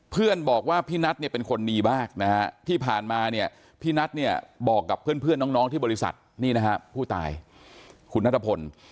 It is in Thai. เพื่อนบอกว่าพี่นัทเนี่ยเป็นคนดีมากนะฮะที่ผ่านมาเนี่ยพี่นัทเนี่ยบอกกับเพื่อนน้องที่บริษัทนี่นะฮะผู้ตายคุณนัทพล